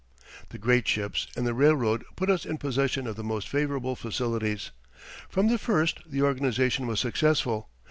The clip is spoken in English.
The great ships and the railroad put us in possession of the most favourable facilities. From the first the organization was successful.